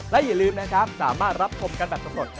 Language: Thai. และอย่าลืมนะครับสามารถรับชมกันแบบสำรวจ